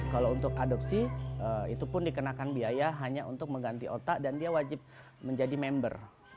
kalau untuk adopsi itu pun dikenakan biaya hanya untuk mengganti otak dan dia wajib menjadi member